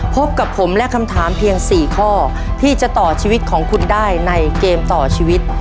พบกับผมและคำถามเพียง๔ข้อที่จะต่อชีวิตของคุณได้ในเกมต่อชีวิต